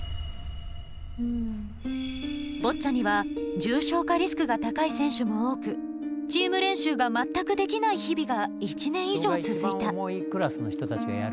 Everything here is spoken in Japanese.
ボッチャには重症化リスクが高い選手も多くチーム練習が全くできない日々が１年以上続いた。